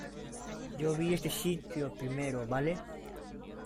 yo vi este sitio primero, ¿ vale?